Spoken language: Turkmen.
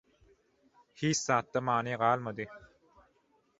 Hiç zatda many galmady.